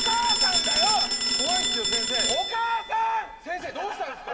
先生どうしたんですか！？